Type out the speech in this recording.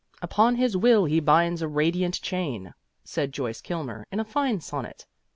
"Upon his will he binds a radiant chain," said Joyce Kilmer in a fine sonnet.